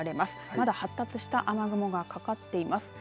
まだ発達した雨雲がかかっています。